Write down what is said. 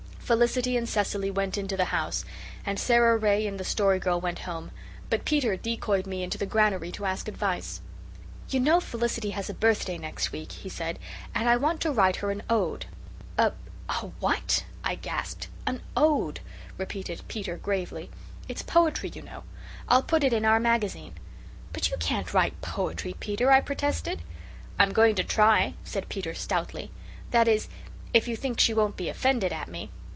Felicity and Cecily went into the house and Sara Ray and the Story Girl went home, but Peter decoyed me into the granary to ask advice. "You know Felicity has a birthday next week," he said, "and I want to write her an ode." "A a what?" I gasped. "An ode," repeated Peter, gravely. "It's poetry, you know. I'll put it in Our Magazine." "But you can't write poetry, Peter," I protested. "I'm going to try," said Peter stoutly. "That is, if you think she won't be offended at me."